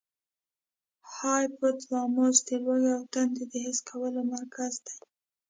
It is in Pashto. هایپو تلاموس د لوږې او تندې د حس کولو مرکز دی.